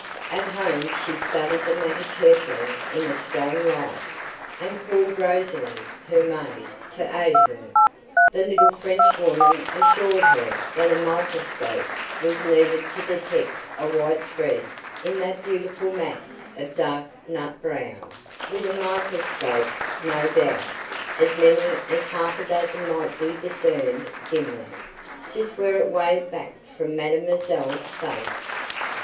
At home she studied the matter carefully in a strong light, and called Rosalie, her maid, to aid her. The little Frenchwoman assured her that a microscope was needed to detect a white thread in that beautiful mass of dark nut brown. With a microscope, no doubt, as many as half a dozen might be discerned dimly, just where it waved back from mademoiselle's face.